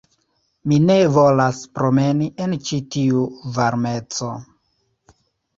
Mi ne volas promeni en ĉi tiu varmeco